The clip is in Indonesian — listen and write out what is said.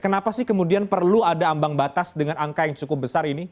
kenapa sih kemudian perlu ada ambang batas dengan angka yang cukup besar ini